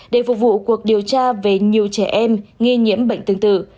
để phục vụ cuộc điều tra về nhiều trẻ em nghi nhiễm bệnh tương tự